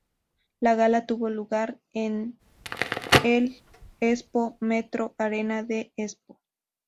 La gala tuvo lugar el en el Espoo Metro Arena de Espoo.